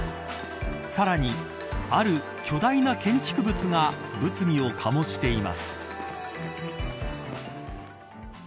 さらに、ある巨大な建築物が物議を醸しています。